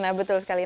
nah betul sekali